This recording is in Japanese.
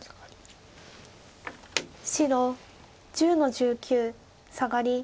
白１０の十九サガリ。